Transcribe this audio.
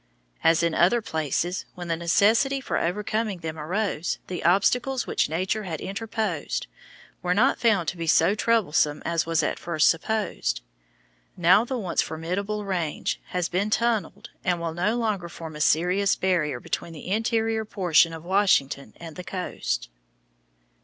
As in other places, when the necessity for overcoming them arose, the obstacles which Nature had interposed were found not to be so troublesome as was at first supposed. Now the once formidable range has been tunnelled and will no longer form a serious barrier between the interior portion of Washington and the coast.